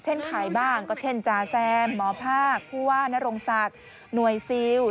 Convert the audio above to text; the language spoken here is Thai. ใครบ้างก็เช่นจาแซมหมอภาคผู้ว่านรงศักดิ์หน่วยซิล